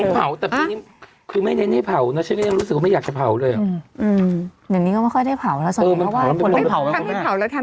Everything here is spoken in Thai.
ผมไม่เห็นของไหว้วินได้ไหม